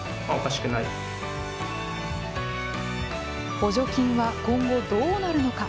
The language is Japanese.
補助金は今後どうなるのか。